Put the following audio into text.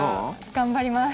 頑張ります。